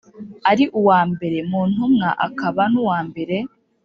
ari uwa mbere mu ntumwa akaba n’uwa mbere